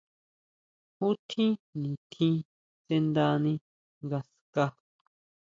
¿Ju tjín nitjín sʼendani ngaská?